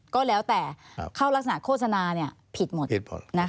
ก็แล้วแต่เข้ารักษณโฆษณาผิดหมด